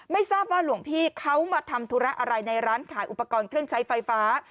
ไม่ทราบว่าหลวงพี่เขามาทำธุระอะไรในร้านขายอุปกรณ์เครื่องใช้ไฟฟ้า